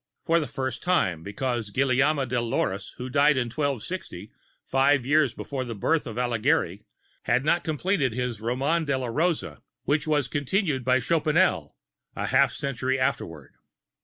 For the first time, because Guillaume de Lorris, who died in 1260, five years before the birth of Alighieri, had not completed his Roman de la Rose, which was continued by Chopinel, a half century afterward.